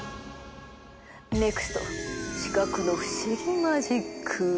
ネクスト視覚の不思議マジック！